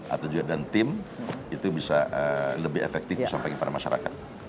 atau juga dan tim itu bisa lebih efektif disampaikan kepada masyarakat